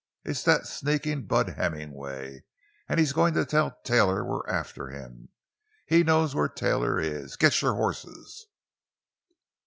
It's that sneakin' Bud Hemmingway, an' he's gone to tell Taylor we're after him! He knows where Taylor is! Get your hosses!"